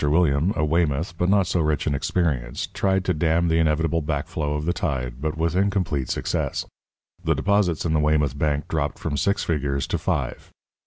William, a Weymouth, but not so rich in experience, tried to dam the inevitable backflow of the tide, but with incomplete success. The deposits in the Weymouth Bank dropped from six figures to five.